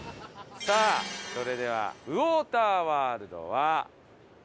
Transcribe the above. さあそれではウォーターワールドは何位ですか？